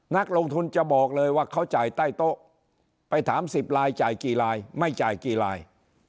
นักลงทุนจะบอกเลยว่าเขาจ่ายใต้โต๊ะไปถาม๑๐ลายจ่ายกี่ลายไม่จ่ายกี่ลาย